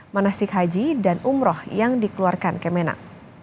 manasik haji dan umroh yang dikeluarkan kemenang